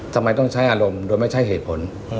ทำไมต้องใช้อารมณ์โดยไม่ใช่เหตุผล